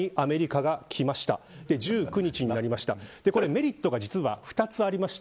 メリットが実は２つあります。